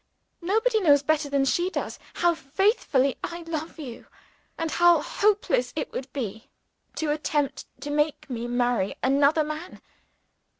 Nobody knows better than she does how faithfully I love you, and how hopeless it would be to attempt to make me marry another man.